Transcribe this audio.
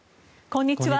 こんにちは。